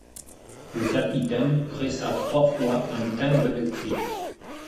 Le capitaine pressa trois fois un timbre électrique.